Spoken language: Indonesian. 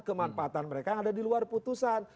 kemanfaatan mereka yang ada di luar putusan